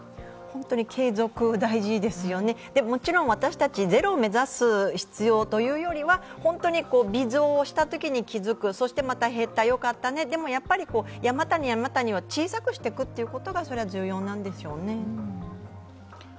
継続大事ですよね、もちろん私たち、ゼロを目指す必要というよりは微増をしたとに気付く、そしてまた減った、よかったね、でも、山・谷、山・谷を小さくしていくことが重要なんでしょうね。